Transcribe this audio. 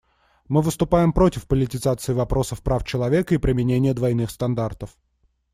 Мы выступаем против политизации вопросов прав человека и применения двойных стандартов.